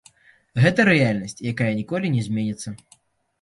Гэта рэальнасць, якая ніколі не зменіцца.